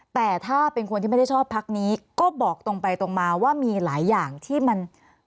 แต่ถ้าเป็นคนที่ไม่ได้ชอบพักนี้ก็บอกตรงไปตรงมาว่ามีหลายอย่างที่มัน